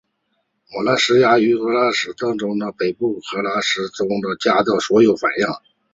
雅罗斯拉夫与斯维亚托波尔克的斗争可能在北欧史诗埃德蒙萨迦中有所反映。